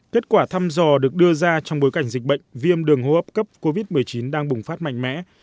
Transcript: kết quả thăm dò được đưa ra trong bối cảnh dịch bệnh viêm đường hô hấp cấp covid một mươi chín đang bùng phát mạnh mẽ